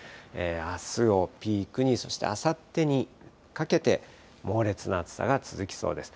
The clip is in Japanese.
あすをピークに、そしてあさってにかけて、猛烈な暑さが続きそうです。